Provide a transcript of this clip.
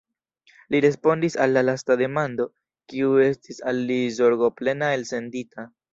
li respondis al la lasta demando, kiu estis al li zorgoplena elsendita.